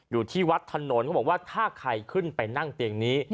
อยู่ที่วัดถนนเขาบอกว่าถ้าใครขึ้นไปนั่งเตียงนี้